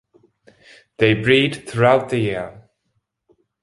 They breed throughout the year.